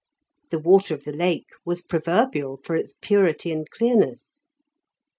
The water of the Lake was proverbial for its purity and clearness.